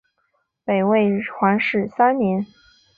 北魏皇始二年。